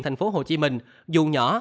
thành phố hồ chí minh dù nhỏ